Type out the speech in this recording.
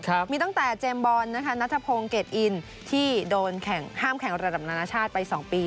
มีตั้งแต่เจมส์บอลนะคะนัทพงศ์เกรดอินที่โดนแข่งห้ามแข่งระดับนานาชาติไปสองปี